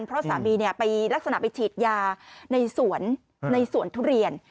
เพราะสามีลักษณะไปฉีดยาในสวนทุเรียน